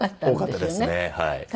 多かったですねはい。